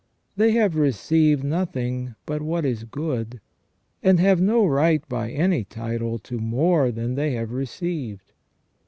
They have received nothing but what is good, and have no right by any title to more than they have received.